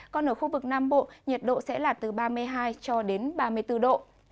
còn ở khu vực nam bộ nhiệt độ sẽ là từ ba mươi hai ba mươi bốn độ